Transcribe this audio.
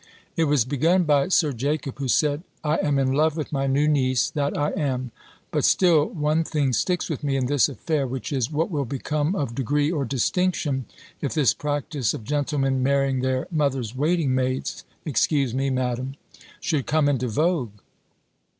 It was begun by Sir Jacob, who said, "I am in love with my new niece, that I am: but still one thing sticks with me in this affair, which is, what will become of degree or distinction, if this practice of gentlemen marrying their mothers' waiting maids excuse me, Madam should come into vogue?